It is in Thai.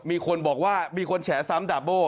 มีคนบอกว่ามีคนแฉซ้ำดาบโบ้